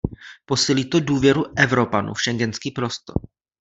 Posílí to důvěru Evropanů v schengenský prostor.